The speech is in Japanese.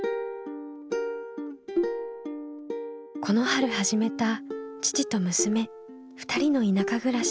この春始めた父と娘２人の田舎暮らし。